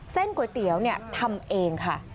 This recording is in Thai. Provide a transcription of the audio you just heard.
ก๋วยเตี๋ยวทำเองค่ะ